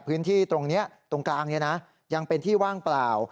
พื้นที่ตรงนี้ตรงกลางนี้นะยังเป็นที่ว่างเปล่า